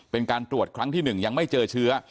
เป็นการตรวจครั้งที่๑ยังไม่เจอเชื้อ